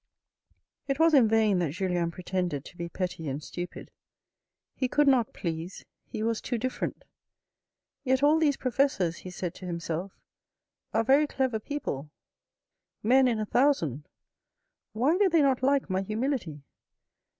It was in vain that Julien pretended to be petty and stupid. He could not please ; he was too different. Yet all these pro fessors, he said to himself, are very clever people, men in a thousand. Why do they not like my humility